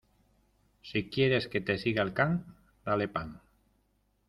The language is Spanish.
Si quieres que te siga el can, dale pan.